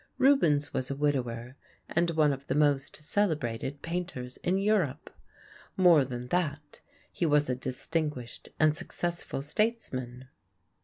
Rubens was a widower, and one of the most celebrated painters in Europe. More than that, he was a distinguished and successful statesman.